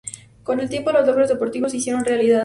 Con el tiempo los logros deportivos se hicieron realidad.